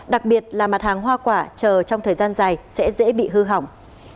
đặc biệt là mặt hàng hoa quả chờ trong thời gian dài sẽ dễ bị hư hỏng